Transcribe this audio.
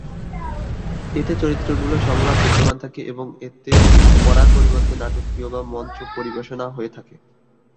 এতে চরিত্রগুলোর সংলাপ বিদ্যমান থাকে এবং এতে পড়ার পরিবর্তে নাটকীয় বা মঞ্চ পরিবেশনা হয়ে থাকে।